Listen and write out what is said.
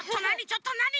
ちょっとなに！？